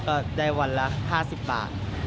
ก็ได้วันละ๕๐บาท